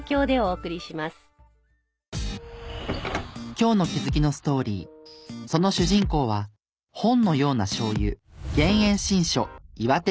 今日の気づきのストーリーその主人公は本のようなしょうゆ。